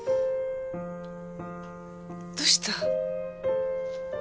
どうした？